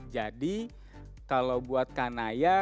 jadi kalau buat kanaya kan hamilnya baru trimester pertama